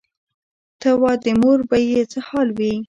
ته وا د مور به یې څه حال وي.